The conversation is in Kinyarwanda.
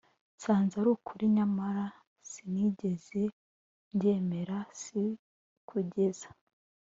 nsanze ari ukuri nyamara sinigeze mbyemera s kugeza